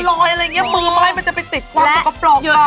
สะพานรอยอะไรอย่างเงี้ยมือไหมมันจะไปติดความสกปรกอะ